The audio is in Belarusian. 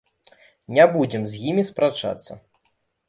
Не будзем з імі спрачацца.